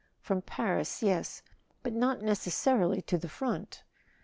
.. From Paris, yes; but not necessarily to the front.